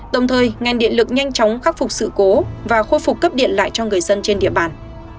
đồng thời ngành điện lực nhanh chóng khắc phục sự cố và khôi phục cấp điện lại cho người dân trên địa bàn